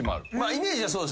イメージはそう。